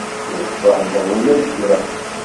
Ur tfehhmeḍ ula d kra.